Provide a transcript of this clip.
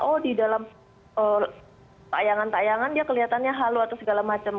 oh di dalam tayangan tayangan dia kelihatannya halu atau segala macam